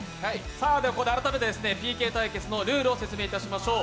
ここで改めてＰＫ対決のルールをお伝えしましょう。